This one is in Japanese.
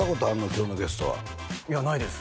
今日のゲストはいやないです